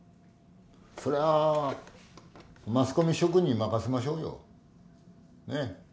それはマスコミ諸君に任せましょうよ。ね。